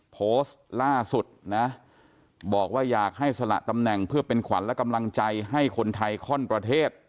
โพสต์ล่าสุดนะบอกว่าอยากให้สละตำแหน่งเพื่อเป็นขวัญและกำลังใจให้คนไทยข้อนประเทศ